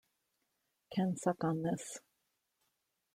Can Suck on This!